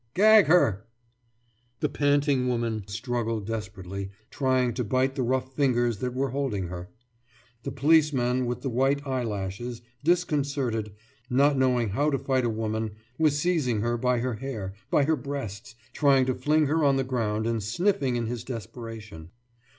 « »Gag her!« The panting woman struggled desperately, trying to bite the rough fingers that were holding her. The policeman with the white eye lashes, disconcerted, not knowing how to fight a woman, was seizing her by her hair, by her breasts, trying to fling her on the ground and sniffing in his desperation.